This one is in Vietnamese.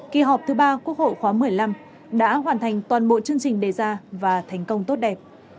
kỳ họp thứ ba quốc hội khóa một mươi năm đã hoàn thành toàn bộ chương trình đề ra và thành công tốt đẹp